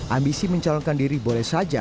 ambisi mencalonkan diri boleh saja